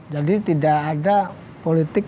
jadi tidak ada politik